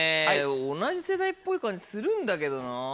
同じ世代っぽい感じするんだけどな。